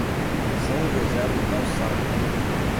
São José do Calçado